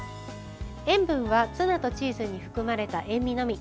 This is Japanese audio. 塩分はツナとチーズに含まれた塩みのみ。